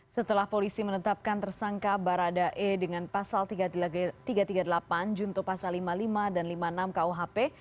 setelah polisi menetapkan tersangka baradae dengan pasal tiga ratus tiga puluh delapan junto pasal lima puluh lima dan lima puluh enam kuhp